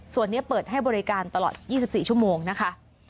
ส่วนนี้เปิดให้บริการตลอด๒๔ชั่วโมงนะคะ